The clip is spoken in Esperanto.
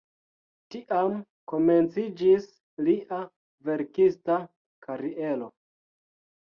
Tiam komenciĝis lia verkista kariero.